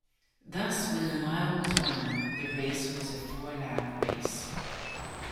Thus when the mile was run, the race was a four lap race.